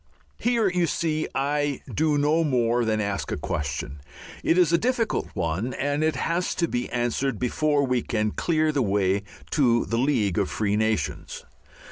Here, you see, I do no more than ask a question. It is a difficult one, and it has to be answered before we can clear the way to the League of Free Nations.